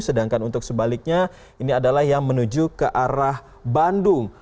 sedangkan untuk sebaliknya ini adalah yang menuju ke arah bandung